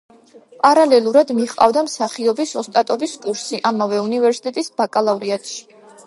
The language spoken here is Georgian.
პარალელურად მიჰყავდა მსახიობის ოსტატობის კურსი ამავე უნივერსიტეტის ბაკალავრიატში.